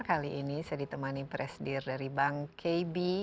kali ini saya ditemani presidir dari bank kb